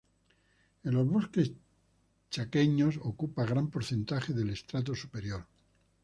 En los bosques chaqueños ocupa gran porcentaje del estrato superior.